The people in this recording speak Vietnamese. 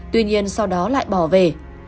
tuy nhiên sau đó lại bỏ về